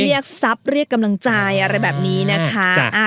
เรียกทรัพย์เรียกกำลังใจอะไรแบบนี้นะคะ